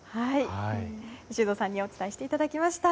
修造さんに伝えていただきました。